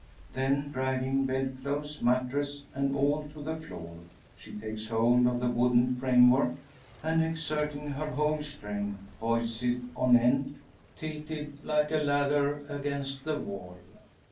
Then, dragging bed clothes, mattress, and all to the floor, she takes hold of the wooden framework; and, exerting her whole strength, hoists it on end, tilted like a ladder against the wall.